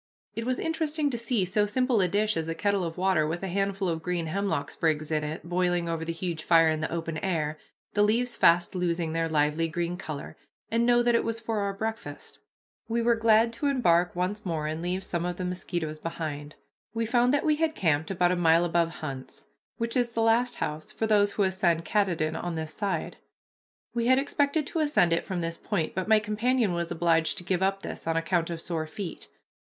It was interesting to see so simple a dish as a kettle of water with a handful of green hemlock sprigs in it boiling over the huge fire in the open air, the leaves fast losing their lively green color, and know that it was for our breakfast. We were glad to embark once more and leave some of the mosquitoes behind. We found that we had camped about a mile above Hunt's, which is the last house for those who ascend Katahdin on this side. We had expected to ascend it from this point, but my companion was obliged to give up this on account of sore feet.